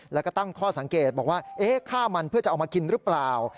แล้วก็ตั้งข้อสังเกตบอกว่าฆ่ามันเพื่อจะเอามากินหรือเปล่า